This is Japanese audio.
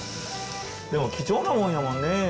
でも貴重なもんやもんね。